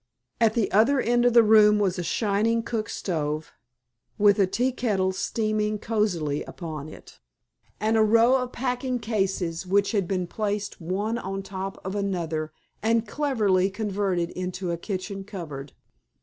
At the other end of the room was a shining cook stove, with a tea kettle steaming cozily upon it, and a row of packing cases, which had been placed one on top of another and cleverly converted into a kitchen cupboard.